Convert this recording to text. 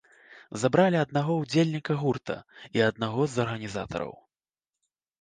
Забралі аднаго ўдзельніка гурта і аднаго з арганізатараў.